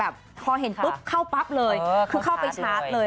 พอเห็นปุ๊บเข้าปั๊บเลยคือเข้าไปชาร์จเลย